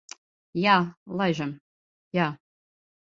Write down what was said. Jā, laižam. Jā.